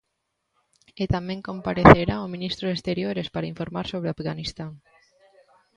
E tamén comparecerá o ministro de Exteriores para informar sobre Afganistán.